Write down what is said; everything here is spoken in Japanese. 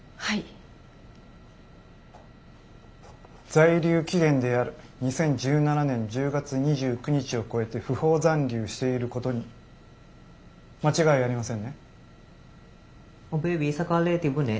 在留期限である２０１７年１０月２９日を超えて不法残留していることに間違いありませんね。